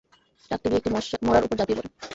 কাকটি গিয়ে একটি মড়ার উপর ঝাপিয়ে পড়ে।